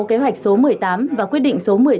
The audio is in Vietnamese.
kế hoạch số một mươi tám và quyết định số một mươi ba